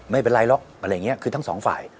ไม่เป็นไรหรอกอะไรอย่างนี้คือทั้งสองฝ่าย